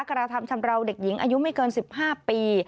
กระทำชำราวเด็กหญิงอายุไม่เกิน๑๕ปี